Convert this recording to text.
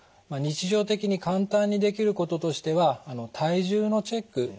日常的に簡単にできることとしては体重のチェック。